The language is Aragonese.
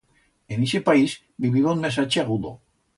En ixe país viviba un mesache agudo.